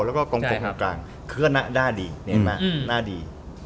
แล้วก็ตรงสกของกลางเครื่องหน้าดีเห็นมั้ยหน้าดี